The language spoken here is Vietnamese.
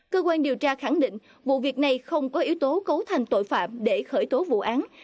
cơ quan điều tra khẳng định vụ việc này không có yếu tố cấu thành tội phạm để khởi tố vụ án